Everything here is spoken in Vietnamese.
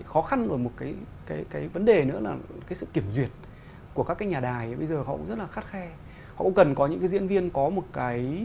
họ cũng cần có những cái diễn viên có một cái